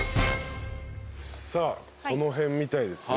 さあこの辺みたいですよ。